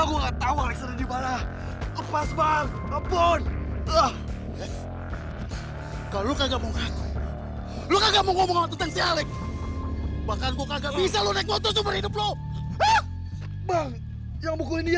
guys terus lagi